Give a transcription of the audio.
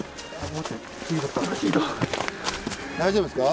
大丈夫ですか？